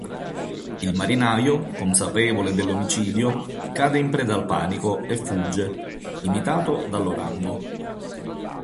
Il marinaio consapevole dell'omicidio cade in preda al panico e fugge, imitato dall'orango.